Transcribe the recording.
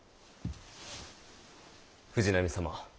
藤波様。